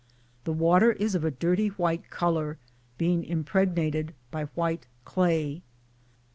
The water is of a dirty white colour, being impregnated by white clay.